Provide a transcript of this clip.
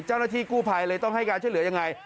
เจ้าหน้าที่กู้ภัยเลยต้องให้การช่วยเหลือยังไง